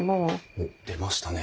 おっ出ましたね。